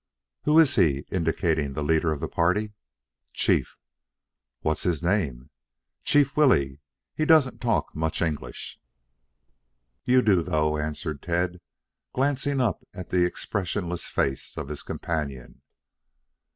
"Who is he?" indicating the leader of the party. "Chief." "What's his name?" "Chief Willy. He doesn't talk much English." "You do, though," answered Tad, glancing up at the expressionless face of his companion.